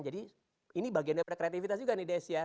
jadi ini bagian dari kreativitas juga nih des ya